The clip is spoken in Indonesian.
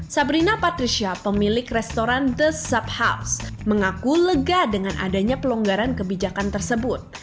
sabrina patricia pemilik restoran the subhouse mengaku lega dengan adanya pelonggaran kebijakan tersebut